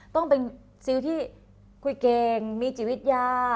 ต้องเป็นซิลที่คุยเก่งมีจิตวิทยา